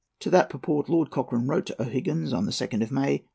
To that purport Lord Cochrane wrote to O'Higgins on the 2nd of May.